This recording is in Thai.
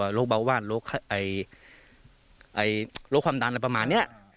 มีโรคจำตัวโรคเบาะว่านโรคความดันอะไรประมาณนี้